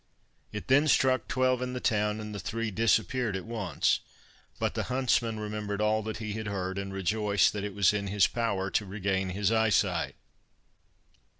It then struck twelve in the town, and the three disappeared at once, but the huntsman remembered all that he had heard, and rejoiced that it was in his power to regain his eyesight.